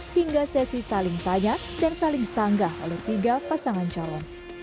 hingga sesi saling tanya dan saling sanggah oleh tiga pasangan calon